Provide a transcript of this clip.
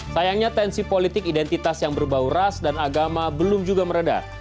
sayangnya tensi politik identitas yang berbau ras dan agama belum juga meredah